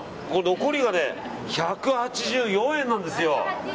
残りが１８４円なんですよ。